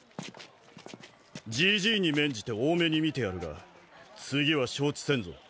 じじいに免じて大目に見てやるが次は承知せんぞ。